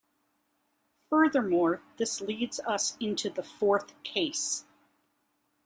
Furthermore, this leads us into the fourth case.